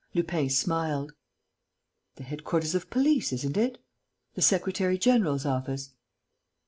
Lupin smiled: "The headquarters of police, isn't it? The secretary general's office...."